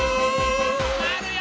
まわるよ。